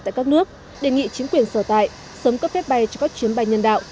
tại các nước đề nghị chính quyền sở tại sớm cấp phép bay cho các chuyến bay nhân đạo